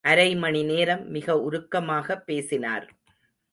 அரைமணி நேரம் மிக உருக்கமாகப் பேசினார்.